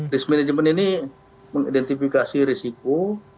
risk management ini mengidentifikasi risiko